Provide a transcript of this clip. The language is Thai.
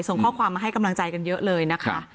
ส่งข้อความมาให้กำลังใจกันเยอะเลยนะคะ